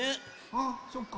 あそっか。